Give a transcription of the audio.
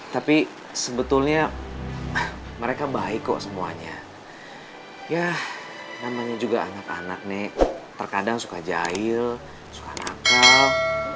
tapi sebetulnya mereka baik kok semuanya ya namanya juga anak anak nih terkadang suka jahil suka nakal